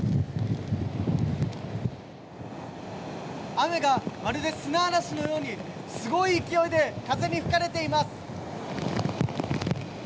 雨がまるで砂嵐のようにすごい勢いで風に吹かれています。